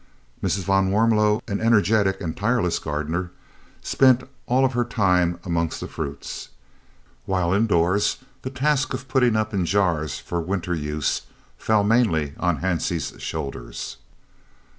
Mrs. van Warmelo, an energetic and tireless gardener, spent all her time amongst the fruit, while indoors the task of putting up in jars for winter use fell mainly on Hansie's shoulders.